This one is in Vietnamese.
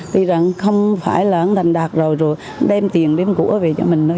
tuy rằng không phải là em thành đạt rồi rồi đem tiền đem của về cho mình thôi